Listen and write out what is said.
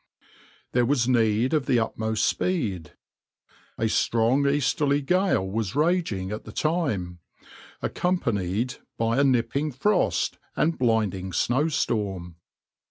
There was need of the utmost speed. A strong easterly gale was raging at the time, accompanied by a nipping frost and blinding snowstorm.